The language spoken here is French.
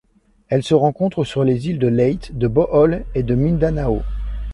Elle se rencontre sur les îles de Leyte, de Bohol et de Mindanao.